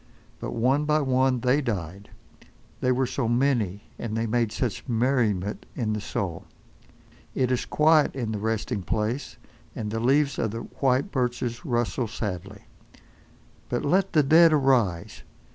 But one by one they died. They were so many, and they made such merriment in the soul. It is quiet in the resting place, and the leaves of the white birches rustle sadly. But let the dead arise!